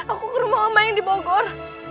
aku ke rumah oma yang dibogor